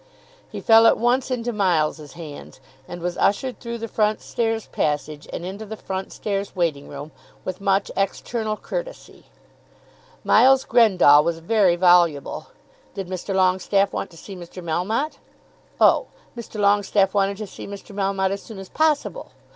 He fell at once into Miles's hands, and was ushered through the front stairs passage and into the front stairs waiting room, with much external courtesy. Miles Grendall was very voluble. Did Mr. Longestaffe want to see Mr. Melmotte? Oh; Mr. Longestaffe wanted to see Mr. Melmotte as soon as possible!